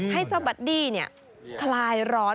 ให้เจ้าบัดดี้คลายร้อน